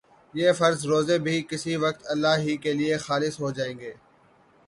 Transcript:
یہ فرض روزے بھی کسی وقت اللہ ہی کے لیے خالص ہو جائیں گے